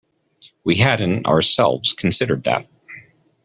We hadn't, ourselves, considered that.